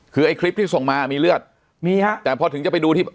คือไอ้คลิปที่ส่งมามีเลือดมีฮะแต่พอถึงจะไปดูที่